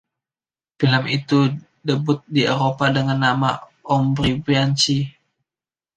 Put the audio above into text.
Film itu debut di Eropa dengan nama, "Ombre bianche".